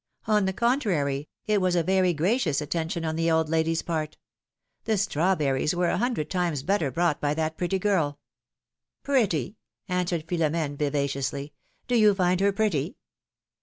On the contrary, it was a very gracious attention on the old lady's part. The strawberries were a hundred times better brought by that pretty girl I " ^^Pretty!" answered Philomene, vivaciously ; ^^do you find her pretty